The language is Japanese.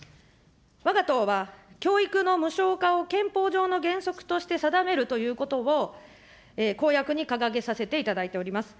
わが党は、教育の無償化を憲法上の原則として定めるということを公約に掲げさせていただいております。